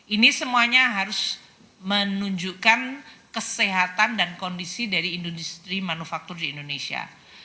ini semuanya harus menunjukkan kesehatan dan kondisi dari industri manufaktur di indonesia